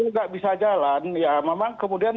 tidak bisa jalan ya memang kemudian